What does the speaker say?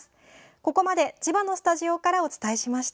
ここまで千葉のスタジオからお伝えしました。